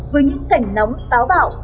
với những cảnh nóng táo bạo